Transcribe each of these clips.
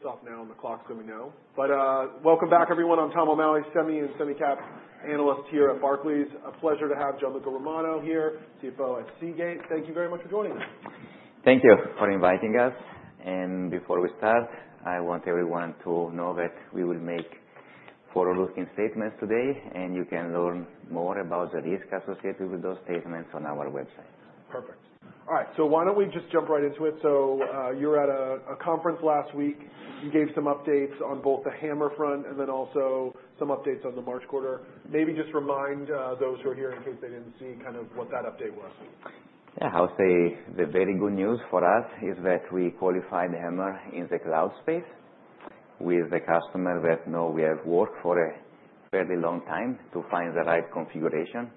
Kick us off now, and the clock's coming now, but welcome back, everyone. I'm Tom O'Malley, Semi and Semi-Cap analyst here at Barclays. A pleasure to have Gianluca Romano here, CFO at Seagate. Thank you very much for joining us. Thank you for inviting us, and before we start, I want everyone to know that we will make forward-looking statements today, and you can learn more about the risk associated with those statements on our website. Perfect. All right. So why don't we just jump right into it? So, you were at a conference last week. You gave some updates on both the HAMR front and then also some updates on the March quarter. Maybe just remind those who are here in case they didn't see kind of what that update was. Yeah. I would say the very good news for us is that we qualified HAMR in the cloud space with the customer that, you know, we have worked for a fairly long time to find the right configuration.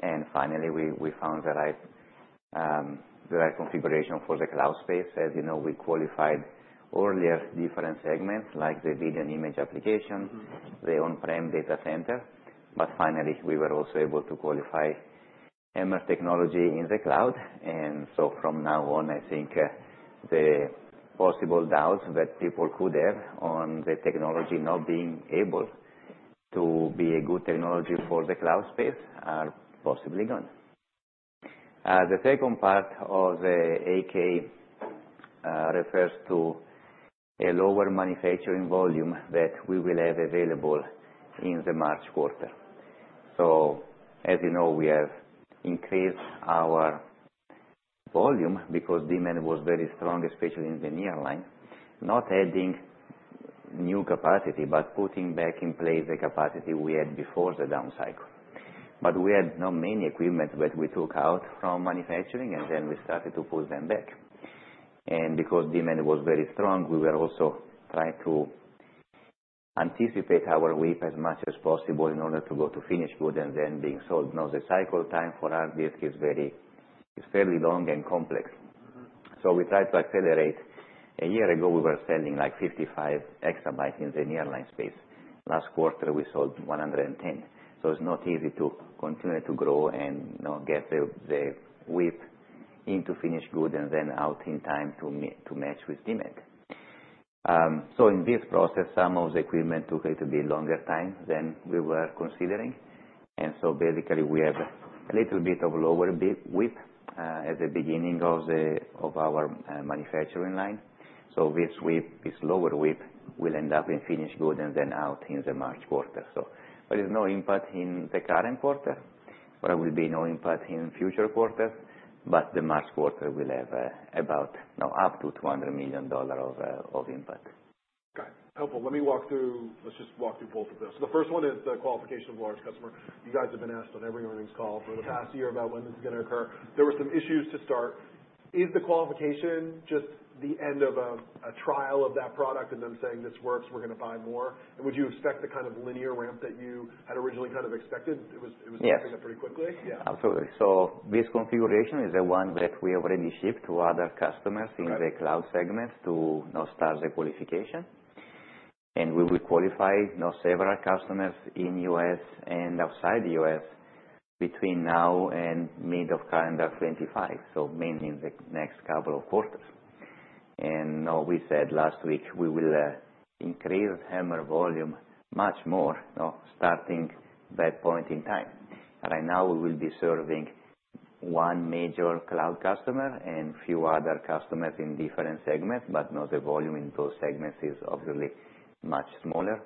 And finally, we found the right configuration for the cloud space. As you know, we qualified earlier different segments like the Video and Image Applications, the on-prem data center. But finally, we were also able to qualify HAMR technology in the cloud. And so from now on, I think, the possible doubts that people could have on the technology not being able to be a good technology for the cloud space are possibly gone. The second part of the ask refers to a lower manufacturing volume that we will have available in the March quarter. So, as you know, we have increased our volume because demand was very strong, especially in the Nearline, not adding new capacity but putting back in place the capacity we had before the down cycle, but we had not many equipment that we took out from manufacturing, and then we started to pull them back, and because demand was very strong, we were also trying to anticipate our WIP as much as possible in order to go to finished goods and then being sold. Now, the cycle time for our disk is. It's fairly long and complex. So we tried to accelerate. A year ago, we were selling like 55 exabytes in the Nearline space. Last quarter, we sold 110. So it's not easy to continue to grow and, you know, get the, the WIP into finished goods and then out in time to meet demand. So in this process, some of the equipment took a little bit longer than we were considering. And so basically, we have a little bit of lower build WIP at the beginning of our manufacturing line. So this WIP, this lower WIP, will end up in finished goods and then out in the March quarter. So there is no impact in the current quarter, but there will be no impact in future quarters. But the March quarter will have about, you know, up to $200 million of impact. Got it. Helpful. Let me walk through both of those. The first one is the qualification of large customer. You guys have been asked on every earnings call for the past year about when this is gonna occur. There were some issues to start. Is the qualification just the end of a trial of that product and then saying, this works. We're gonna buy more? And would you expect the kind of linear ramp that you had originally kind of expected? It was. Yes. Coming up pretty quickly? Yeah. Absolutely. So this configuration is the one that we already shipped to other customers in the cloud segments to now start the qualification, and we will qualify, you know, several customers in U.S. and outside the U.S. between now and mid of calendar 2025, so mainly in the next couple of quarters, and, you know, we said last week we will increase HAMR volume much more, you know, starting that point in time. Right now, we will be serving one major cloud customer and few other customers in different segments, but, you know, the volume in those segments is obviously much smaller,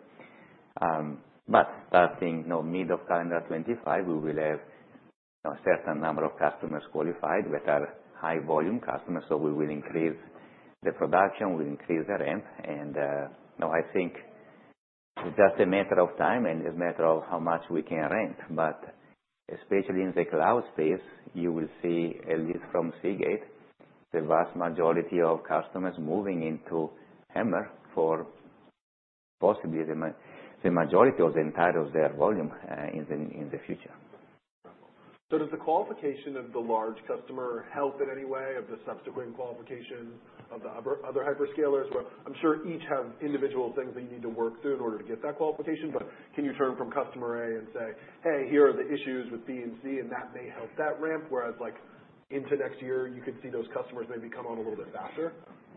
but starting, you know, mid of calendar 2025, we will have, you know, a certain number of customers qualified that are high-volume customers, so we will increase the production. We'll increase the ramp. And, you know, I think it's just a matter of time and a matter of how much we can ramp. But especially in the cloud space, you will see, at least from Seagate, the vast majority of customers moving into HAMR for possibly the majority of the entire of their volume, in the future. Does the qualification of the large customer help in any way of the subsequent qualification of the other hyperscalers? I'm sure each have individual things they need to work through in order to get that qualification. But can you learn from customer A and say, hey, here are the issues with B and C, and that may help that ramp? Whereas, like, into next year, you could see those customers maybe come on a little bit faster.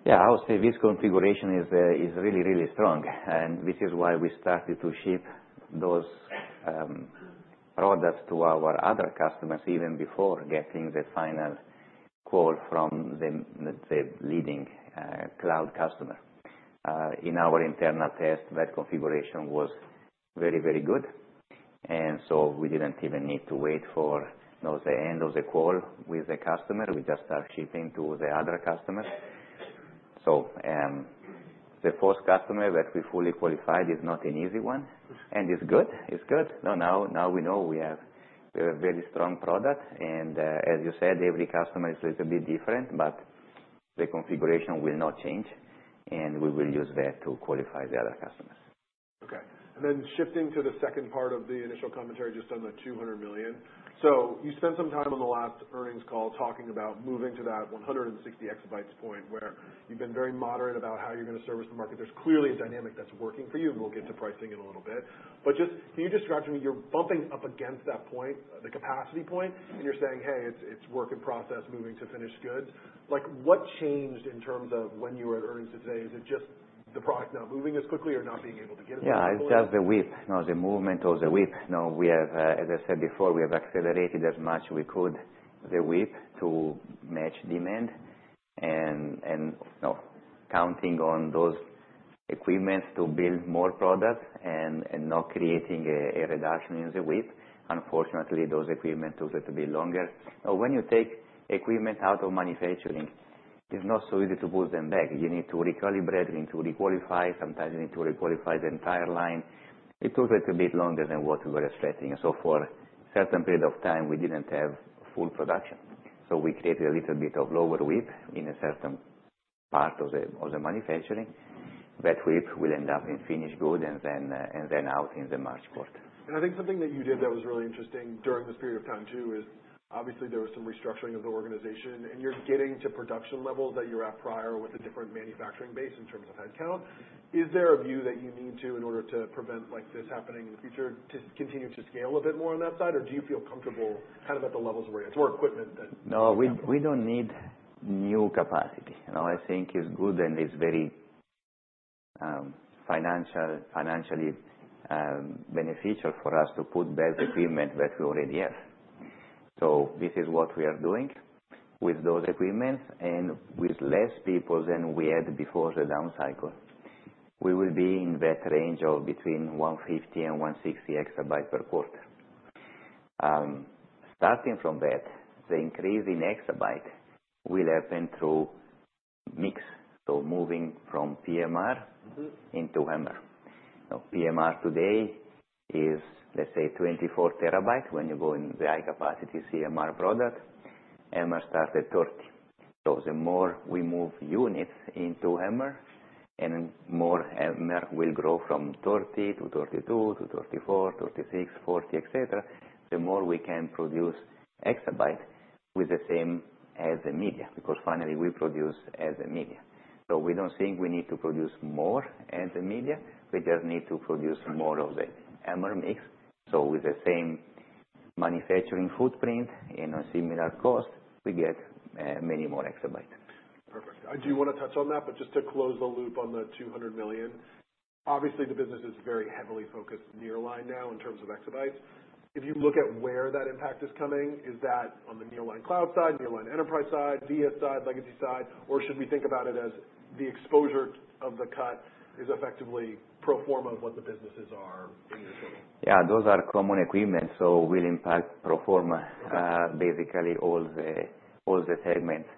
Yeah. I would say this configuration is, is really, really strong. And this is why we started to ship those products to our other customers even before getting the final call from the, let's say, leading cloud customer. In our internal test, that configuration was very, very good. And so we didn't even need to wait for, you know, the end of the call with the customer. We just start shipping to the other customers. So, the first customer that we fully qualified is not an easy one. And it's good. It's good. No, now, now we know we have a very strong product. And, as you said, every customer is a little bit different, but the configuration will not change. And we will use that to qualify the other customers. Okay. And then shifting to the second part of the initial commentary just on the $200 million. So you spent some time on the last earnings call talking about moving to that 160 exabytes point where you've been very moderate about how you're gonna service the market. There's clearly a dynamic that's working for you, and we'll get to pricing in a little bit. But just can you describe to me you're bumping up against that point, the capacity point, and you're saying, hey, it's, it's work in process moving to finished good? Like, what changed in terms of when you were at earnings today? Is it just the product not moving as quickly or not being able to get it to the customer? Yeah. It's just the WIP. You know, the movement of the WIP. You know, we have, as I said before, we have accelerated as much as we could the WIP to match demand. And you know, counting on those equipment to build more product and not creating a reduction in the WIP. Unfortunately, those equipment took a little bit longer. You know, when you take equipment out of manufacturing, it's not so easy to pull them back. You need to recalibrate. You need to requalify. Sometimes you need to requalify the entire line. It took a little bit longer than what we were expecting. And so for a certain period of time, we didn't have full production. So we created a little bit of lower WIP in a certain part of the manufacturing. That WIP will end up in finished goods and then out in the March quarter. I think something that you did that was really interesting during this period of time too is obviously there was some restructuring of the organization. You're getting to production levels that you were at prior with a different manufacturing base in terms of headcount. Is there a view that you need to in order to prevent, like, this happening in the future to continue to scale a bit more on that side? Or do you feel comfortable kind of at the levels where it's more equipment that? No. Okay. We don't need new capacity. You know, I think it's good, and it's very financially beneficial for us to put back equipment that we already have. So this is what we are doing with those equipments and with less people than we had before the down cycle. We will be in that range of between 150 and 160 exabytes per quarter. Starting from that, the increase in exabyte will happen through mix. So moving from PMR. Mm-hmm. Into HAMR. Now, PMR today is, let's say, 24 terabytes when you go in the high-capacity CMR product. HAMR started 30. So the more we move units into HAMR, and more HAMR will grow from 30 to 32 to 34, 36, 40, etc., the more we can produce exabyte with the same heads and media because finally we produce heads and media. So we don't think we need to produce more heads and media. We just need to produce more of the HAMR mix. So with the same manufacturing footprint and a similar cost, we get many more exabytes. Perfect. Do you wanna touch on that? But just to close the loop on the $200 million, obviously the business is very heavily focused Nearline now in terms of exabytes. If you look at where that impact is coming, is that on the Nearline cloud side, Nearline enterprise side, VIA side, Legacy side? Or should we think about it as the exposure of the cut is effectively pro forma of what the businesses are in your total? Yeah. Those are common equipment, so will impact pro forma, basically all the segments.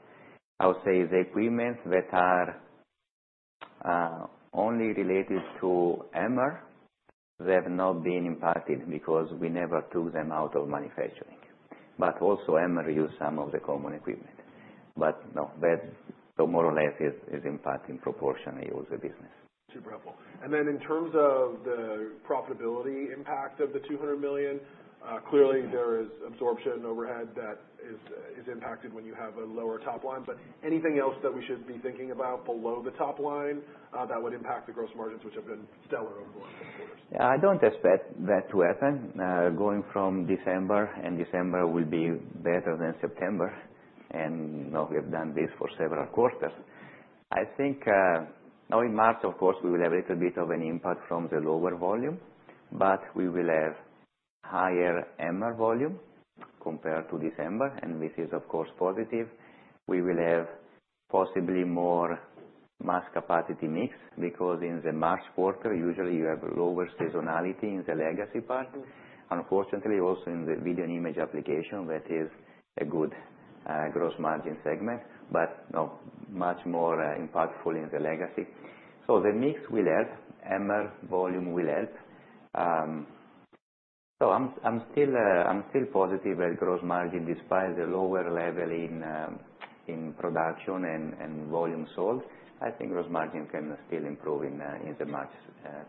I would say the equipment that are only related to HAMR have not been impacted because we never took them out of manufacturing. But also, HAMR used some of the common equipment. But, you know, that's more or less impacting proportionally of the business. Super helpful. And then in terms of the profitability impact of the $200 million, clearly there is absorption overhead that is impacted when you have a lower top line. But anything else that we should be thinking about below the top line, that would impact the gross margins which have been stellar over the last couple of quarters? Yeah. I don't expect that to happen, going from December. And December will be better than September. And, you know, we have done this for several quarters. I think, now in March, of course, we will have a little bit of an impact from the lower volume, but we will have higher HAMR volume compared to December. And this is, of course, positive. We will have possibly more Mass Capacity mix because in the March quarter, usually you have lower seasonality in the Legacy part. Unfortunately, also in the Video and Image Applications, that is a good gross margin segment, but, you know, much more impactful in the Legacy. So the mix will help. HAMR volume will help. So, I'm still positive that gross margin, despite the lower level in production and volume sold, I think gross margin can still improve in the March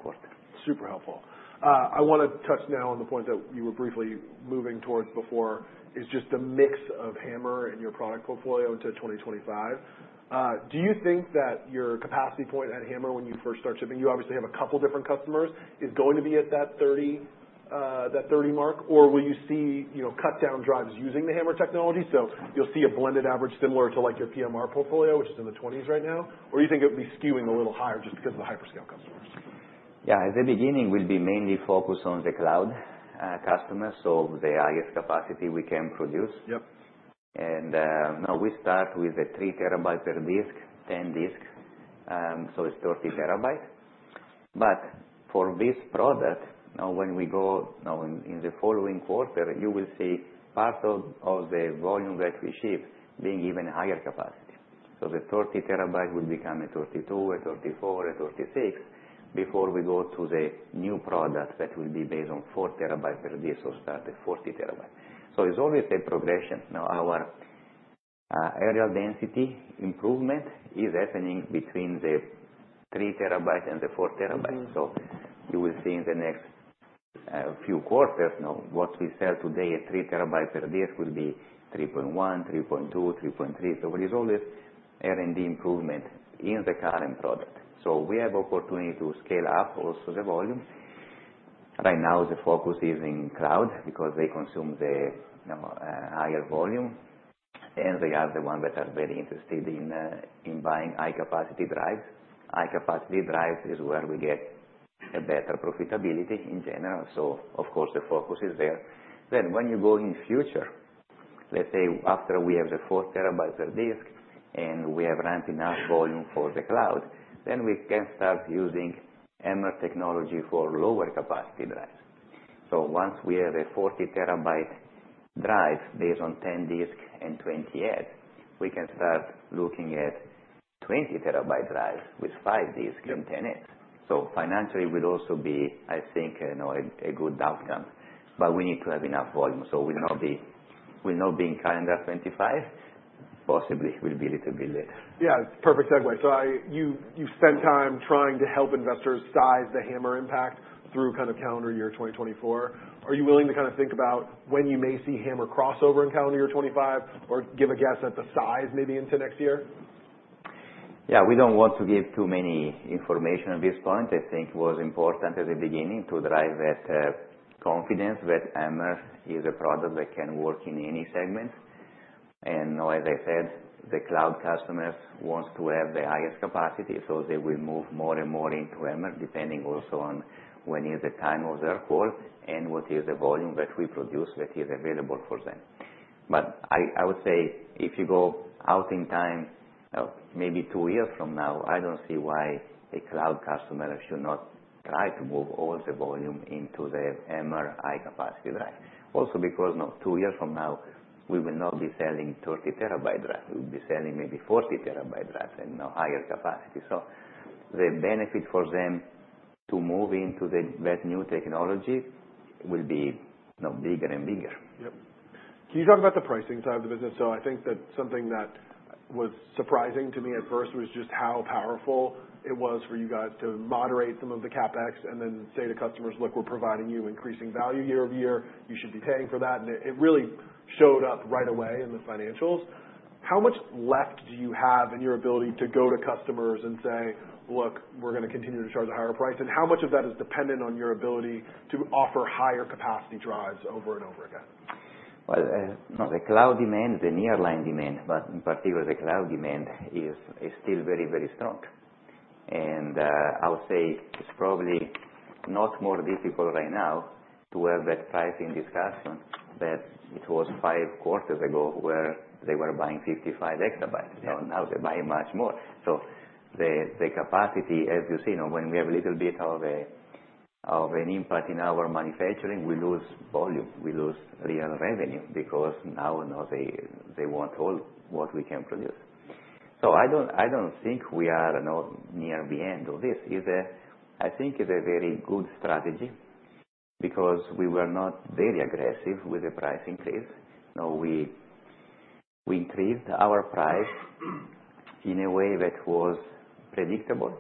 quarter. Super helpful. I wanna touch now on the point that you were briefly moving towards before is just the mix of HAMR and your product portfolio into 2025. Do you think that your capacity point at HAMR when you first start shipping you obviously have a couple different customers is going to be at that 30, that 30 mark? Or will you see, you know, cutdown drives using the HAMR technology? So you'll see a blended average similar to, like, your PMR portfolio which is in the 20s right now? Or do you think it'll be skewing a little higher just because of the hyperscale customers? Yeah. At the beginning, we'll be mainly focused on the cloud customers, so the highest capacity we can produce. Yep. Now we start with the 3 terabyte per disk, 10 disk. So it's 30 terabytes. But for this product, now when we go, you know, in the following quarter, you will see part of the volume that we ship being even higher capacity. So the 30 terabyte will become a 32, a 34, a 36 before we go to the new product that will be based on 4 terabytes per disk or start at 40 terabytes. So it's always a progression. Now, our areal density improvement is happening between the 3 terabyte and the 4 terabytes. Mm-hmm. So you will see in the next few quarters, you know, what we sell today at three terabyte per disk will be 3.1, 3.2, 3.3. So there is always R&D improvement in the current product. So we have opportunity to scale up also the volume. Right now, the focus is in cloud because they consume the, you know, higher volume. And they are the ones that are very interested in, in buying high-capacity drives. High-capacity drives is where we get a better profitability in general. So, of course, the focus is there. Then when you go in future, let's say after we have the four terabytes per disk and we have ramped enough volume for the cloud, then we can start using HAMR technology for lower capacity drives. So once we have a 40 terabyte drive based on 10 disks and 20 heads, we can start looking at 20 terabyte drives with 5 disks and 10 heads. So financially, it will also be, I think, you know, a, a good outcome. But we need to have enough volume. So we'll not be in calendar 2025. Possibly it will be a little bit later. Yeah. Perfect segue. So, you, you've spent time trying to help investors size the HAMR impact through kind of calendar year 2024. Are you willing to kind of think about when you may see HAMR crossover in calendar year 2025 or give a guess at the size maybe into next year? Yeah. We don't want to give too many information at this point. I think it was important at the beginning to drive that confidence that HAMR is a product that can work in any segment. And, you know, as I said, the cloud customers want to have the highest capacity, so they will move more and more into HAMR depending also on when is the time of their call and what is the volume that we produce that is available for them. But I, I would say if you go out in time, you know, maybe two years from now, I don't see why a cloud customer should not try to move all the volume into the HAMR high-capacity drive. Also because, you know, two years from now, we will not be selling 30 terabyte drives. We'll be selling maybe 40 terabyte drives and, you know, higher capacity. So the benefit for them to move into that new technology will be, you know, bigger and bigger. Yep. Can you talk about the pricing side of the business? So I think that something that was surprising to me at first was just how powerful it was for you guys to moderate some of the CapEx and then say to customers, "Look, we're providing you increasing value year over year. You should be paying for that." And it, it really showed up right away in the financials. How much left do you have in your ability to go to customers and say, "Look, we're gonna continue to charge a higher price?" And how much of that is dependent on your ability to offer higher capacity drives over and over again? You know, the cloud demand, the Nearline demand, but in particular the cloud demand is still very, very strong. I would say it's probably not more difficult right now to have that pricing discussion that it was five quarters ago where they were buying 55 exabytes. Mm-hmm. So now they're buying much more. So the capacity, as you see, you know, when we have a little bit of an impact in our manufacturing, we lose volume. We lose real revenue because now, you know, they want all what we can produce. So I don't think we are, you know, near the end of this. It's, I think it's a very good strategy because we were not very aggressive with the price increase. You know, we increased our price in a way that was predictable,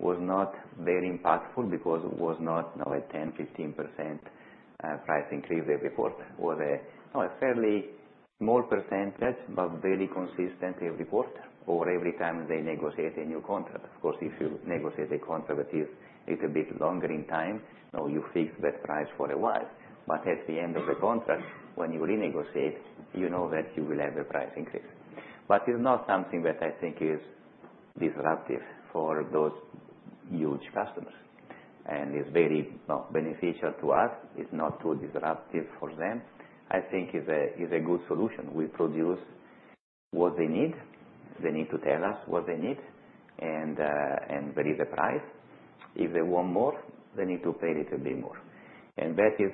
was not very impactful because it was not, you know, a 10%, 15% price increase every quarter. It was a, you know, a fairly small percentage but very consistent every quarter or every time they negotiate a new contract. Of course, if you negotiate a contract that is a little bit longer in time, you know, you fix that price for a while. But at the end of the contract, when you renegotiate, you know that you will have a price increase. But it's not something that I think is disruptive for those huge customers. And it's very, you know, beneficial to us. It's not too disruptive for them. I think it's a good solution. We produce what they need. They need to tell us what they need. And there is a price. If they want more, they need to pay a little bit more. And that is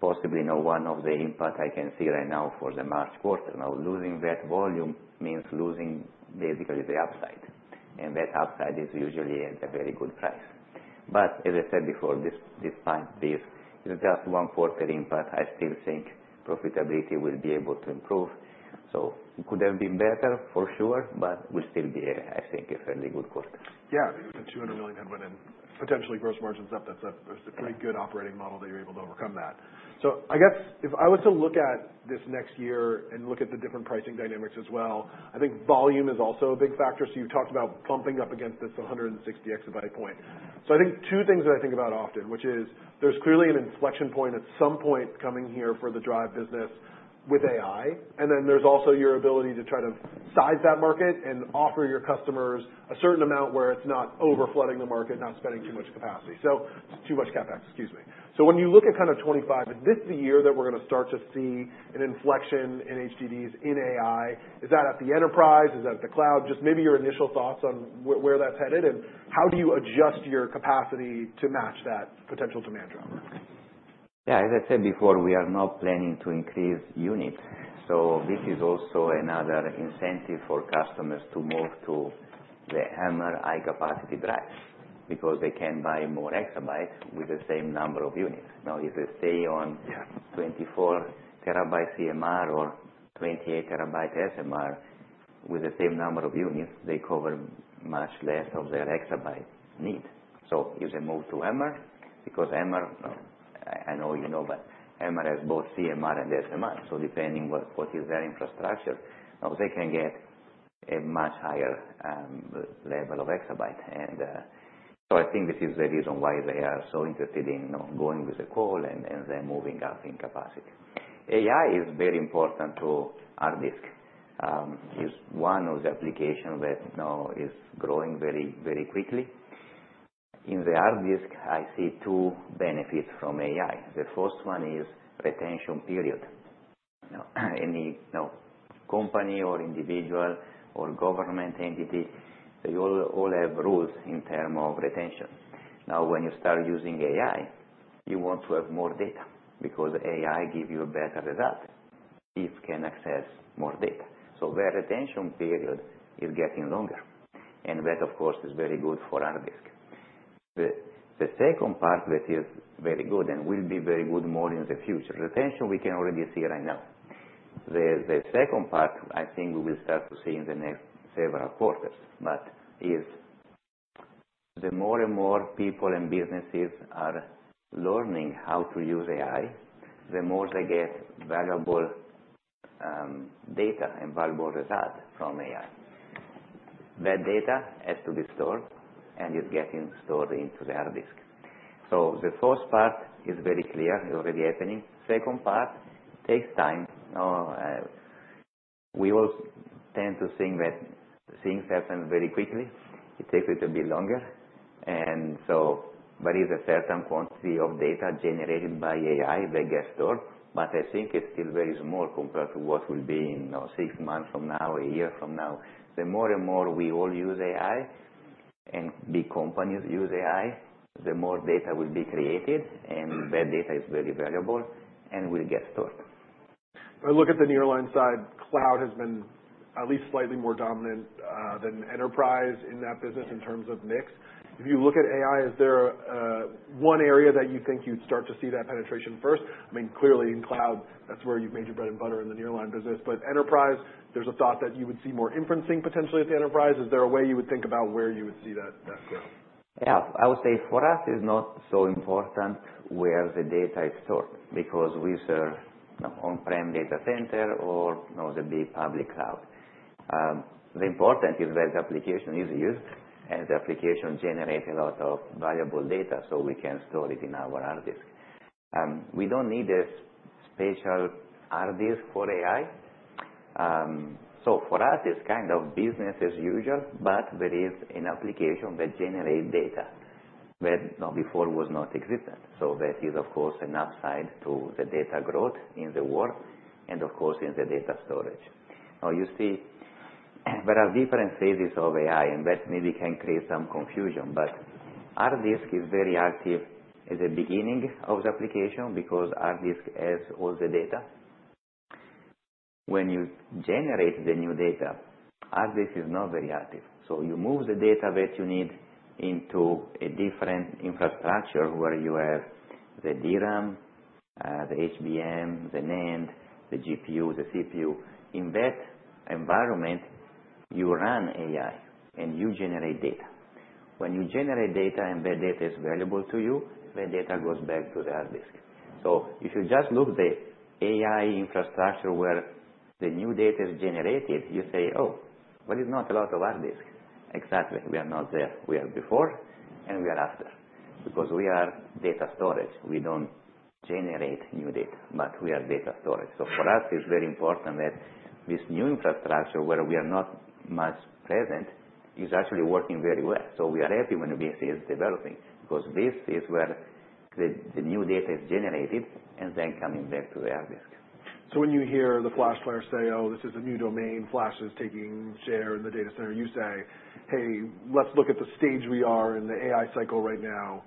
possibly, you know, one of the impact I can see right now for the March quarter. Now, losing that volume means losing basically the upside. And that upside is usually at a very good price. But as I said before, this time this is just one quarter impact. I still think profitability will be able to improve. So it could have been better for sure, but it will still be, I think, a fairly good quarter. Yeah. The $200 million had went in potentially gross margins up. That's a pretty good operating model that you're able to overcome that. So I guess if I was to look at this next year and look at the different pricing dynamics as well, I think volume is also a big factor. So you've talked about bumping up against this 160 exabyte point. So I think two things that I think about often, which is there's clearly an inflection point at some point coming here for the drive business with AI. And then there's also your ability to try to size that market and offer your customers a certain amount where it's not overflooding the market, not spending too much capacity. So too much CapEx, excuse me. So when you look at kind of 2025, is this the year that we're gonna start to see an inflection in HDDs, in AI? Is that at the enterprise? Is that at the cloud? Just maybe your initial thoughts on where that's headed and how do you adjust your capacity to match that potential demand driver? Yeah. As I said before, we are not planning to increase units. So this is also another incentive for customers to move to the HAMR high-capacity drives because they can buy more exabytes with the same number of units. Now, if they stay on. Yeah. 24-terabyte CMR or 28-terabyte SMR with the same number of units, they cover much less of their exabyte need. So if they move to HAMR because HAMR, you know, I, I know you know, but HAMR has both CMR and SMR. So depending what, what is their infrastructure, you know, they can get a much higher level of exabyte. And, so I think this is the reason why they are so interested in, you know, going with the call and, and then moving up in capacity. AI is very important to hard disk. It's one of the applications that, you know, is growing very, very quickly. In the hard disk, I see two benefits from AI. The first one is retention period. You know, any, you know, company or individual or government entity, they all, all have rules in term of retention. Now, when you start using AI, you want to have more data because AI gives you a better result if you can access more data. So their retention period is getting longer. And that, of course, is very good for hard disk. The second part that is very good and will be very good more in the future, retention we can already see right now. The second part I think we will start to see in the next several quarters. But the more and more people and businesses are learning how to use AI, the more they get valuable data and valuable result from AI. That data has to be stored and is getting stored into the hard disk. So the first part is very clear, already happening. Second part takes time. You know, we all tend to think that things happen very quickly. It takes a little bit longer. And so there is a certain quantity of data generated by AI that gets stored. But I think it's still very small compared to what will be in, you know, six months from now, a year from now. The more and more we all use AI and big companies use AI, the more data will be created. And that data is very valuable and will get stored. I look at the Nearline side. Cloud has been at least slightly more dominant than enterprise in that business in terms of mix. If you look at AI, is there one area that you think you'd start to see that penetration first? I mean, clearly in cloud, that's where you've made your bread and butter in the Nearline business, but enterprise, there's a thought that you would see more inferencing potentially at the enterprise. Is there a way you would think about where you would see that grow? Yeah. I would say for us, it's not so important where the data is stored because we serve on-prem data center or, you know, the big public cloud. The important is that the application is used and the application generates a lot of valuable data so we can store it in our hard disk. We don't need a special hard disk for AI. So for us, it's kind of business as usual, but there is an application that generates data that, you know, before was not existent. So that is, of course, an upside to the data growth in the world and, of course, in the data storage. Now, you see, there are different phases of AI, and that maybe can create some confusion. But hard disk is very active at the beginning of the application because hard disk has all the data. When you generate the new data, hard disk is not very active. So you move the data that you need into a different infrastructure where you have the DRAM, the HBM, the NAND, the GPU, the CPU. In that environment, you run AI and you generate data. When you generate data and that data is valuable to you, that data goes back to the hard disk. So if you just look at the AI infrastructure where the new data is generated, you say, "Oh, but it's not a lot of hard disk." Exactly. We are not there. We are before and we are after because we are data storage. We don't generate new data, but we are data storage. So for us, it's very important that this new infrastructure where we are not much present is actually working very well. We are happy when DC is developing because this is where the new data is generated and then coming back to the hard disk. So when you hear the flash player say, oh, this is a new domain, flash is taking share in the data center, you say, hey, let's look at the stage we are in the AI cycle right now.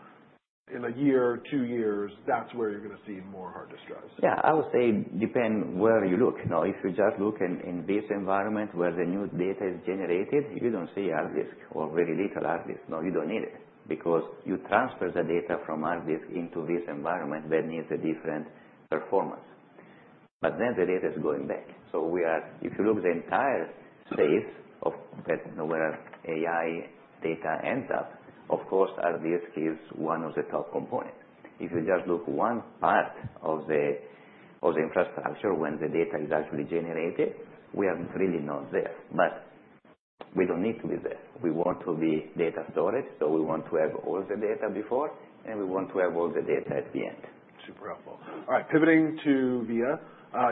In a year, two years, that's where you're gonna see more hard disk drives. Yeah. I would say, depends where you look. You know, if you just look in this environment where the new data is generated, you don't see hard disk or very little hard disk. No, you don't need it because you transfer the data from hard disk into this environment that needs a different performance. But then the data is going back. So we are if you look at the entire space of that, you know, where AI data ends up, of course, hard disk is one of the top components. If you just look at one part of the infrastructure when the data is actually generated, we are really not there. But we don't need to be there. We want to be data storage. So we want to have all the data before, and we want to have all the data at the end. Super helpful. All right. Pivoting to VIA,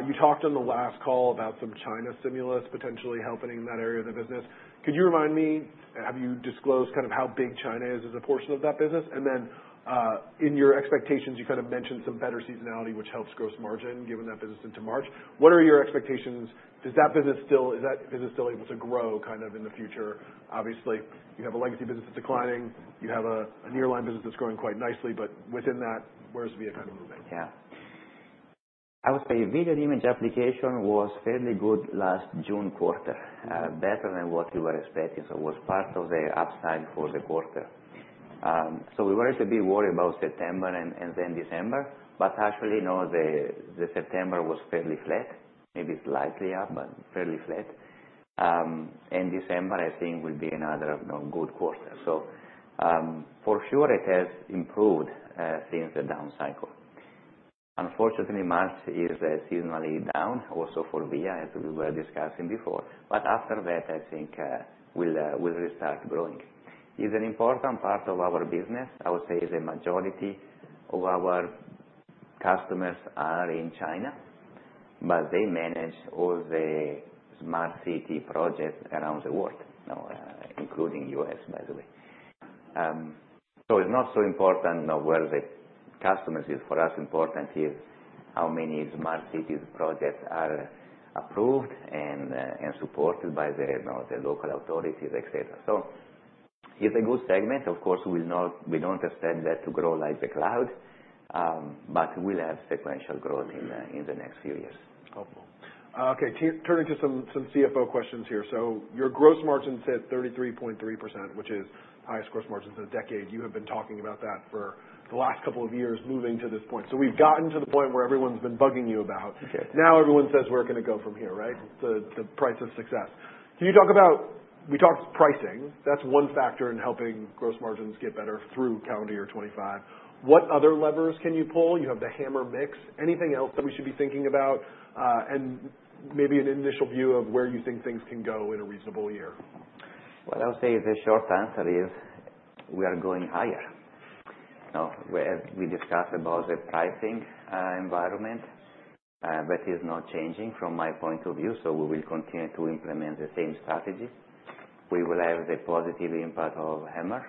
you talked on the last call about some China stimulus potentially helping in that area of the business. Could you remind me, have you disclosed kind of how big China is as a portion of that business? And then, in your expectations, you kind of mentioned some better seasonality, which helps gross margin given that business into March. What are your expectations? Does that business still able to grow kind of in the future? Obviously, you have a Legacy business that's declining. You have a Nearline business that's growing quite nicely. But within that, where's VIA kind of moving? Yeah. I would say VIA Image Application was fairly good last June quarter, better than what we were expecting. So it was part of the upside for the quarter. So we were a little bit worried about September and, and then December. But actually, you know, the, the September was fairly flat, maybe slightly up, but fairly flat. And December, I think, will be another, you know, good quarter. So, for sure, it has improved, since the down cycle. Unfortunately, March is, seasonally down also for VIA, as we were discussing before. But after that, I think, we'll, we'll restart growing. It's an important part of our business. I would say the majority of our customers are in China, but they manage all the smart city projects around the world, you know, including U.S., by the way. So it's not so important, you know, where the customers is. For us, important is how many smart cities projects are approved and supported by the, you know, the local authorities, etc. So it's a good segment. Of course, we don't expect that to grow like the cloud, but we'll have sequential growth in the next few years. Helpful. Okay. Turning to some CFO questions here. So your gross margin's hit 33.3%, which is highest gross margins in a decade. You have been talking about that for the last couple of years moving to this point. So we've gotten to the point where everyone's been bugging you about. Okay. Now everyone says we're gonna go from here, right? The price of success. Can you talk about we talked pricing. That's one factor in helping gross margins get better through calendar year 2025. What other levers can you pull? You have the HAMR mix. Anything else that we should be thinking about, and maybe an initial view of where you think things can go in a reasonable year? What I would say is the short answer is we are going higher. You know, we have discussed about the pricing environment that is not changing from my point of view. So we will continue to implement the same strategy. We will have the positive impact of HAMR.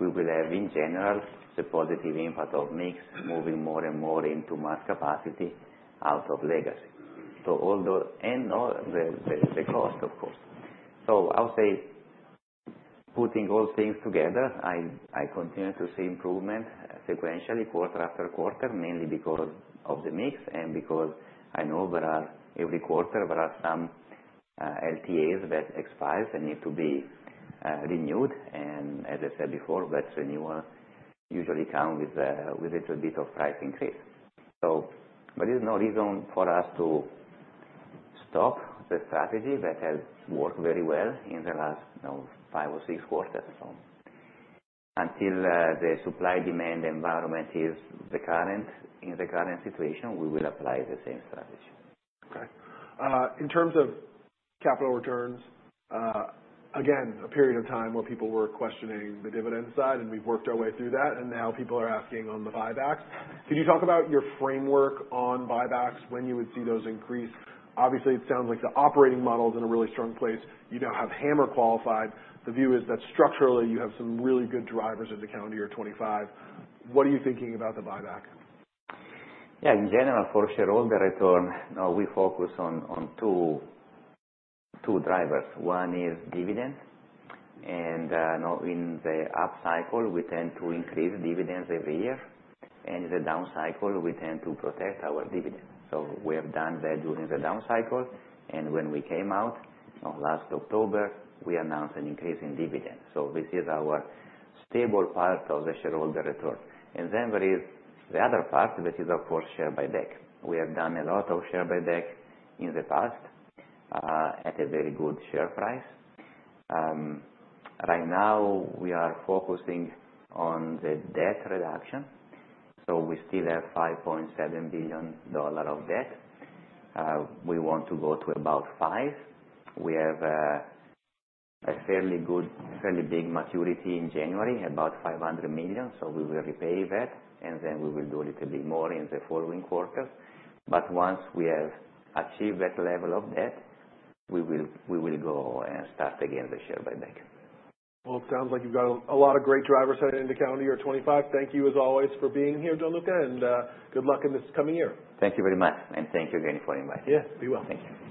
We will have, in general, the positive impact of mix moving more and more into Mass Capacity out of Legacy. So all the costs, of course. So I would say putting all things together, I continue to see improvement sequentially quarter after quarter, mainly because of the mix and because I know there are every quarter some LTAs that expires and need to be renewed. And as I said before, that renewal usually comes with a little bit of price increase. There is no reason for us to stop the strategy that has worked very well in the last, you know, five or six quarters. Until the supply-demand environment is different from the current situation, we will apply the same strategy. Okay. In terms of capital returns, again, a period of time where people were questioning the dividend side and we've worked our way through that, and now people are asking on the buybacks. Can you talk about your framework on buybacks when you would see those increase? Obviously, it sounds like the operating model's in a really strong place. You now have HAMR qualified. The view is that structurally, you have some really good drivers at the calendar year 2025. What are you thinking about the buyback? Yeah. In general, for sure, all the return, you know, we focus on two drivers. One is dividend. And, you know, in the up cycle, we tend to increase dividends every year. And in the down cycle, we tend to protect our dividend. So we have done that during the down cycle. And when we came out, you know, last October, we announced an increase in dividend. So this is our stable part of the shareholder return. And then there is the other part that is, of course, share buyback. We have done a lot of share buyback in the past, at a very good share price. Right now, we are focusing on the debt reduction. So we still have $5.7 billion of debt. We want to go to about five. We have a fairly good, fairly big maturity in January, about $500 million. So we will repay that, and then we will do a little bit more in the following quarter. But once we have achieved that level of debt, we will, we will go and start again the share buyback. It sounds like you've got a lot of great drivers heading into calendar year 2025. Thank you, as always, for being here, Gianluca, and good luck in this coming year. Thank you very much. And thank you again for inviting me. Yeah. Be well. Thank you.